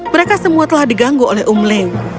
mereka semua telah diganggu oleh um leu